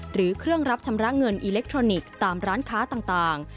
หรือเครื่องรับชำระเงินอิเล็กทรอนิกส์ตามร้านค้าต่าง